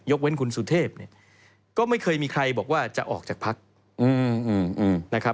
ยกเว้นคุณสุเทพก็ไม่เคยมีใครบอกว่าจะออกจากภักดิ์นะครับ